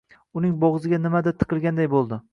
Uning bo`g`ziga nimadir tiqilganday bo`ldi